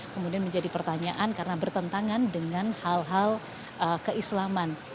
kemudian menjadi pertanyaan karena bertentangan dengan hal hal keislaman